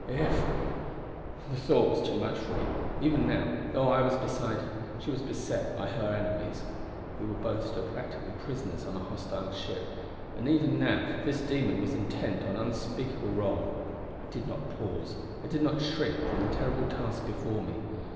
If The thought was too much for me. Even now, though I was beside her, she was beset by her enemies. We were both still practically prisoners on a hostile ship, and even now this demon was intent on unspeakable wrong. I did not pause; I did not shrink from the terrible task before me.